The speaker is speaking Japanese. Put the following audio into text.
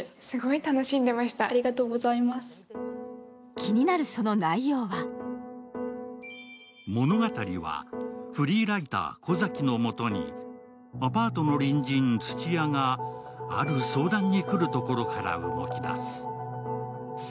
気になるその内容は物語はフリーライター・小崎のもとにアパートの隣人・土屋が、ある相談に来るところから動き出す。